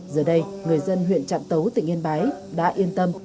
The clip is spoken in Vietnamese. giờ đây người dân huyện trạm tấu tỉnh yên bái đã yên tâm